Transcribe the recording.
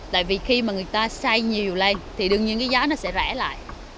tại vì khi mà người ta xây nhiều lên thì đương nhiên cái giá nó sẽ rẻ lại